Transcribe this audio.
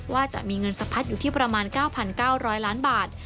ว่าจะมีเงินสะพัดอยู่ที่ประมาณ๙๙๐๐ล้านบาท